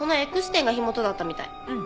うん。